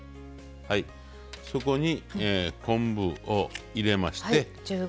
そこに昆布を入れまして。